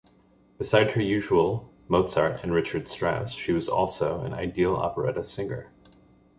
Besides her usual Mozart and Richard Strauss, she was also an ideal operetta singer.